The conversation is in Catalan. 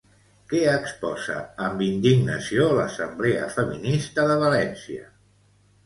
Què exposa amb indignació l'Assemblea Feminista de València?